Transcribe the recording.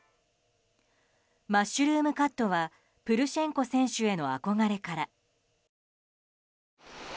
マッシュルームカットはプルシェンコ選手への憧れから。